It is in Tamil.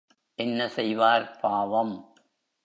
என்ன செய்வார் பாவம்?